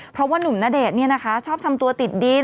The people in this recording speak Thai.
เพราะว่านุ่มณเดชน์ชอบทำตัวติดดิน